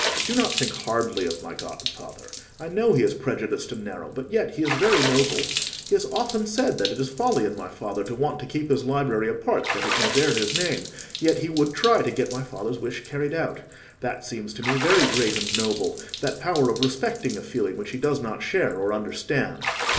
Do not think hardly of my godfather. I know he is prejudiced and narrow, but yet he is very noble. He has often said that it is folly in my father to want to keep his library apart, that it may bear his name; yet he would try to get my father's wish carried out. That seems to me very great and noble—that power of respecting a feeling which he does not share or understand."